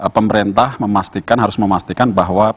pemerintah memastikan harus memastikan bahwa